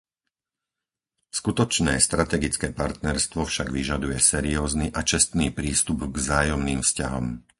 Skutočné strategické partnerstvo však vyžaduje seriózny a čestný prístup k vzájomným vzťahom.